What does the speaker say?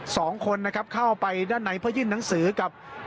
สองคนนะครับเข้าไปด้านในเพื่อยื่นหนังสือกับ